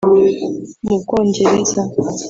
mu Bwongereza